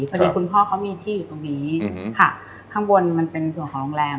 พอดีคุณพ่อเขามีที่อยู่ตรงนี้ค่ะข้างบนมันเป็นส่วนของโรงแรม